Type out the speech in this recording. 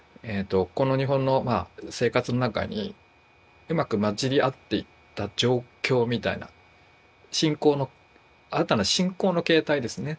この日本の生活の中にうまく混じり合っていった状況みたいな新たな信仰の形態ですね。